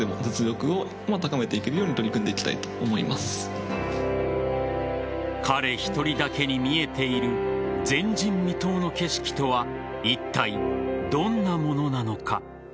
キユーピーマヨネーズ彼１人だけに見えている前人未到の景色とはいったいどんなものなのか。